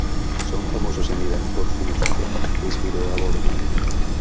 Son famosos en Irán por su música, que inspiró a Borodin.